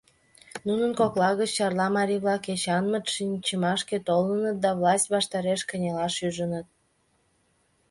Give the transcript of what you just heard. Нунын кокла гыч Чарла марий-влак Эчанмыт шинчымашке толыныт да власть ваштареш кынелаш ӱжыныт.